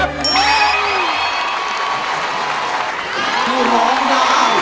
ร้องได้ไงล่ะ